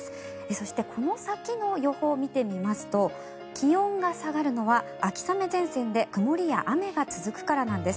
そして、この先の予報を見てみますと気温が下がるのは、秋雨前線で曇りや雨が続くからなんです。